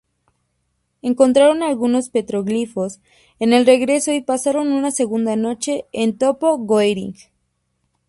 Encontraron algunos petroglifos en el regreso y pasaron una segunda noche en Topo Goering.